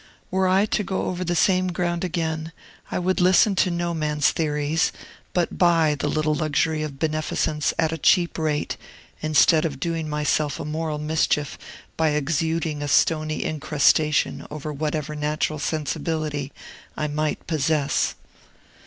Were I to go over the same ground again, I would listen to no man's theories, but buy the little luxury of beneficence at a cheap rate, instead of doing myself a moral mischief by exuding a stony incrustation over whatever natural sensibility I might possess.